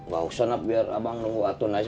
gak usah naf biar abang nunggu waktu nais